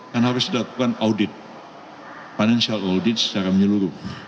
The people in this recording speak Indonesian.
kan harus dilakukan audit financial audit secara menyeluruh